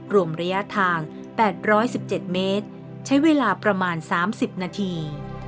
รวมระยะทางแปดร้อยสิบเจ็ดเมตรใช้เวลาประมาณสามสิบนาที